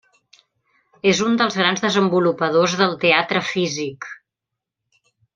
És un dels grans desenvolupadors del teatre físic.